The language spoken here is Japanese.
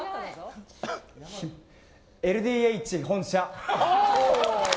ＬＤＨ本社。